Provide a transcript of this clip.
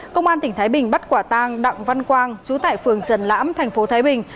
công an tỉnh thái bình bắt quả tang đặng văn quang chú tại phường trần lãm thành phố thái bình